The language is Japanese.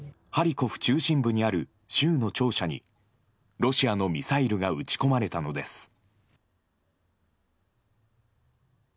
ハリコフ中心部にある州の庁舎にロシアのミサイルが撃ち込まれたのです。